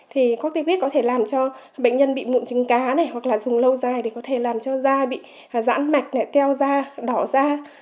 thì cortipid có thể làm cho bệnh nhân bị mụn trứng cá này hoặc là dùng lâu dài để có thể làm cho da bị giãn mạch teo da đỏ da